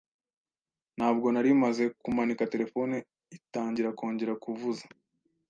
Ntabwo nari maze kumanika telefone itangira kongera kuvuza.